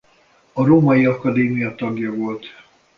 A római akadémia tagja volt.